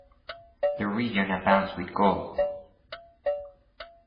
The region abounds with gold.